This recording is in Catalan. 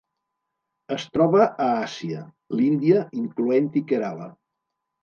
Es troba a Àsia: l'Índia, incloent-hi Kerala.